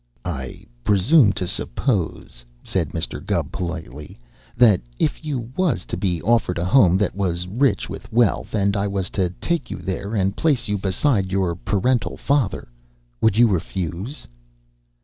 "I presume to suppose," said Mr. Gubb politely, "that if you was to be offered a home that was rich with wealth and I was to take you there and place you beside your parental father, you wouldn't refuse?"